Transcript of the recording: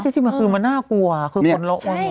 ถ้าจริงคือมันน่ากลัวคือคนละเอา